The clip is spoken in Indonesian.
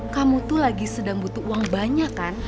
kamu tuh lagi sedang butuh uang banyak kan